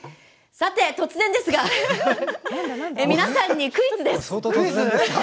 さて、突然ですが皆さんにクイズです。